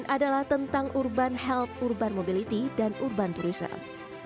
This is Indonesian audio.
adalah tentang urban health urban mobility dan urban tourism